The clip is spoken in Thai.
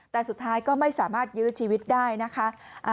แต่สุดท้ายก็ไม่สามารถยื้อชีวิตได้นะคะ